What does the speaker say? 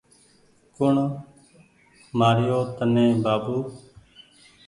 ڪوٚڻ مآري يو تني بآبو